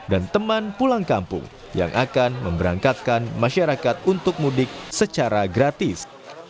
dan teman pulang kampung yang akan memberangkatkan masyarakat untuk mudik secara gratis